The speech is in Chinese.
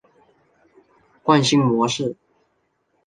惯性模式。